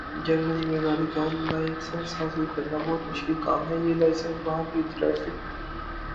۔جرمنی میں گاڑی کا لائسنس حاصل کرنا بہت مشکل کام ہے۔ یہ لائسنس وہاں کی ٹریف